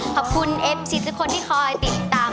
ขอบคุณเอฟซีทุกคนที่คอยติดตาม